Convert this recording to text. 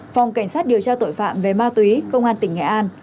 phòng cảnh sát điều tra tội phạm về ma túy công an tỉnh nghệ an